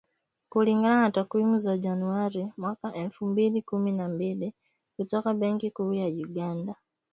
Kulingana na takwimu za Januari mwaka wa elfu mbili kumi na mbili, kutoka Benki Kuu ya Uganda.